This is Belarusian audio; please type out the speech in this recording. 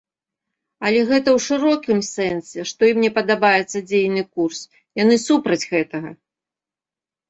Але гэта ў шырокім сэнсе, што ім не падабаецца дзейны курс, яны супраць гэтага.